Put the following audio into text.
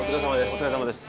お疲れさまです